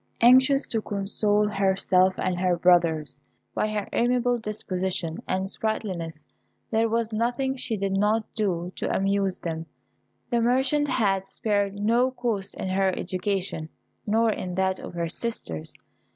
Anxious to console herself and her brothers, by her amiable disposition and sprightliness, there was nothing she did not do to amuse them. The merchant had spared no cost in her education, nor in that of her sisters.